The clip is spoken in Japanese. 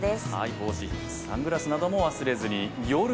帽子必須、サングラスなども忘れずに。